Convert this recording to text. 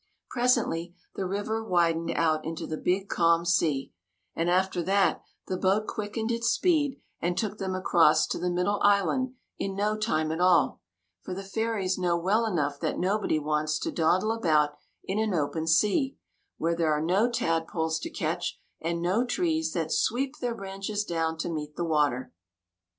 Presently, the river widened out into the big calm sea ; and after that, the boat quickened its speed and took them across to the middle island in no time at all, for the fairies know well enough that nobody wants to dawdle about in an open sea, where there are no tadpoles to catch and no trees that sweep their branches down to meet the water.